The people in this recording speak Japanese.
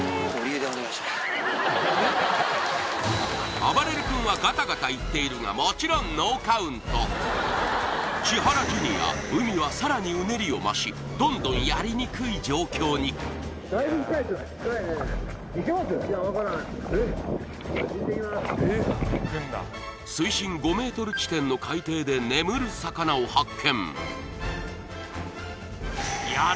あばれる君はガタガタ言っているがもちろんノーカウント千原ジュニア海はさらにうねりを増しどんどんやりにくい状況に水深５ｍ地点の海底で眠る魚を発見